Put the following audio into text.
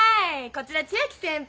こちら千秋先輩。